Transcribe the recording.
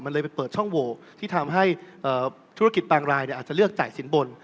มันเลยไปเปิดช่องโหวที่ทำให้ธุรกิจบางรายอาจจะเลือกจ่ายสินบน